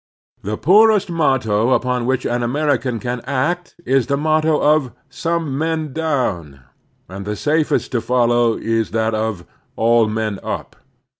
The poorest motto upon which an American can act is the motto of some men down," and the safest to follow is that of "all men up."